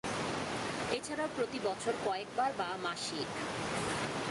এছাড়াও প্রতি বছর কয়েকবার বা মাসিক।